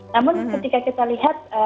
namun ketika kita lihat